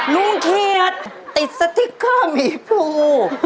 ลุงเขียดติดสติ๊กเกอร์หมีภู